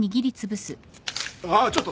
あっちょっと！